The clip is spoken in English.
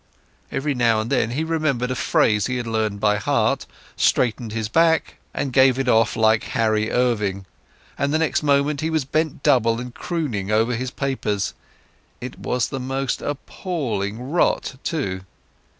Every now and then he remembered a phrase he had learned by heart, straightened his back, and gave it off like Henry Irving, and the next moment he was bent double and crooning over his papers. It was the most appalling rot, too.